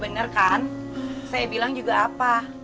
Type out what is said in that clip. benar kan saya bilang juga apa